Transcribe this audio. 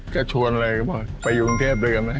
ก็ชวนเลยบอกไปอยู่กรุงเทพด้วยกันนะ